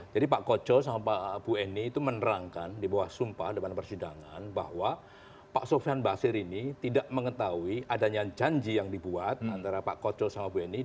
jadi pak kocok sama pak bueni itu menerangkan di bawah sumpah depan persidangan bahwa pak sofian basir ini tidak mengetahui adanya janji yang dibuat antara pak kocok sama bueni